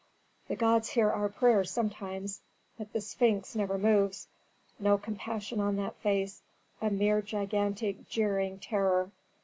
"The gods hear our prayers sometimes, but the Sphinx never moves. No compassion on that face, a mere gigantic jeering terror.